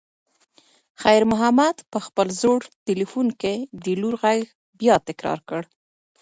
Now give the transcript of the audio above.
خیر محمد په خپل زوړ تلیفون کې د لور غږ بیا تکرار کړ.